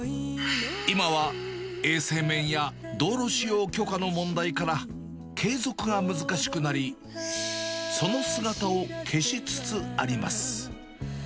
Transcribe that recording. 今は衛生面や道路使用許可の問題から、継続が難しくなり、その姿を消しつつあります。